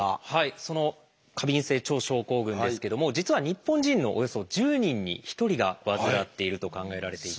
その過敏性腸症候群ですけども実は日本人のおよそ１０人に１人が患っていると考えられていて。